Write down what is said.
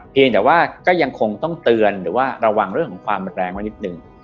เพียงแต่ว่าก็ยังคงต้องเตือนหรือว่าระวังเรื่องของความแรงไว้นิดนึง